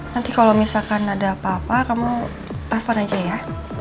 nanti kalau misalkan ada apa apa kamu telpon aja ya